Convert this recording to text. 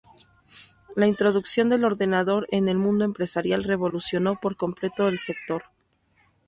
La introducción del ordenador en el mundo empresarial revolucionó por completo el sector.